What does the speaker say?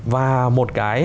và một cái